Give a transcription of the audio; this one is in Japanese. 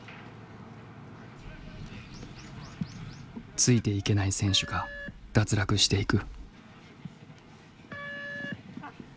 ついていけない選手が脱落していく。